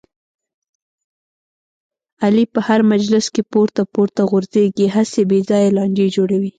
علي په هر مجلس کې پورته پورته غورځېږي، هسې بې ځایه لانجې جوړوي.